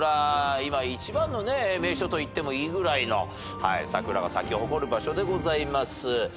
今一番のね名所といってもいいぐらいの桜が咲き誇る場所でございます。